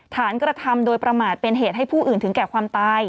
กระทำโดยประมาทเป็นเหตุให้ผู้อื่นถึงแก่ความตาย